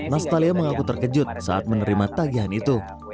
nastalia mengaku terkejut saat menerima tagihan itu